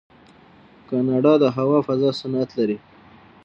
کاناډا د هوا فضا صنعت لري.